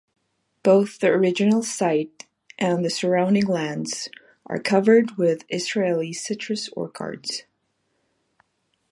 Both the original site and the surrounding lands are covered with Israeli citrus orchards.